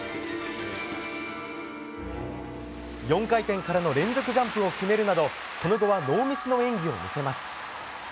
４回転からの連続ジャンプを決めるなどその後はノーミスの演技を見せます。